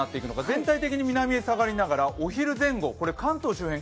全体的に南へ下がりながらお昼前後、関東周辺